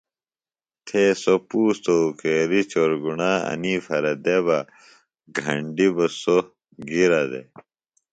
تھے سوۡ پُوستوۡ اُکیلیۡ چورگُݨا انی پھرےۡ دےۡ بہ گھنڈیۡ بہ سوۡ گِرہ دےۡ